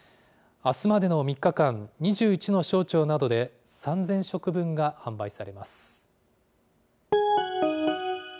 あすまでの３日間、２１の省庁などで３０００食分が販売されます。